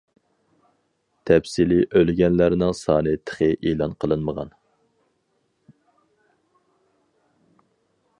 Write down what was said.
تەپسىلىي ئۆلگەنلەرنىڭ سانى تېخى ئېلان قىلىنمىغان.